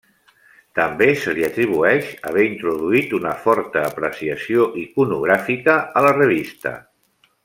També se li atribueix haver introduït una forta apreciació iconogràfica a la revista.